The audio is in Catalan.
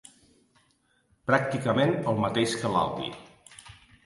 Pràcticament el mateix que l'Albi.